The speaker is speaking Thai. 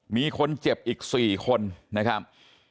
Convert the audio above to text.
มีคนเจ็บอีก๔คนนะครับ